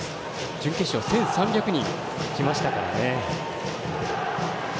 準決勝、１３００人来ましたからね。